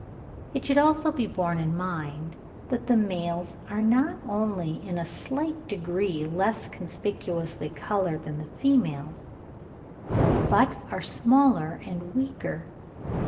It should also be borne in mind that the males are not only in a slight degree less conspicuously coloured than the females, but are smaller and weaker.